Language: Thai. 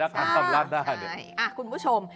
คุณผู้ชม